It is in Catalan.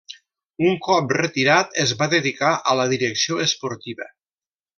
Un cop retirat es va dedicar a la direcció esportiva.